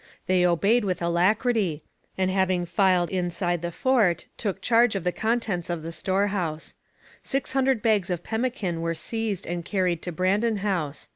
They obeyed with alacrity, and having filed inside the fort, took charge of the contents of the storehouse. Six hundred bags of pemmican were seized and carried to Brandon House.